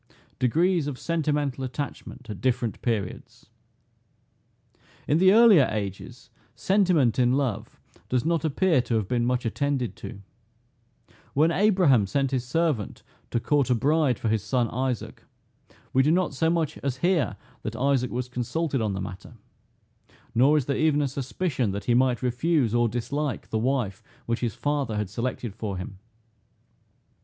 DEGREES OF SENTIMENTAL ATTACHMENT AT DIFFERENT PERIODS. In the earlier ages, sentiment in love does not appear to have been much attended to. When Abraham sent his servant to court a bride for his son Isaac, we do not so much as hear that Isaac was consulted on the matter: nor is there even a suspicion, that he might refuse or dislike the wife which his father had selected for him.